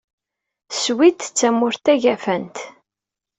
Swid d tamurt tagafant.